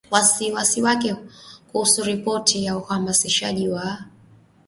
wasiwasi wake kuhusu ripoti ya uhamasishaji wa